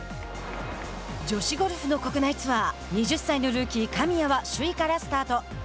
女子ゴルフの国内ツアー２０歳のルーキー神谷は首位からスタート。